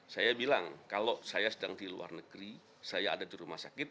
saya bilang kalau saya sedang di luar negeri saya ada di rumah sakit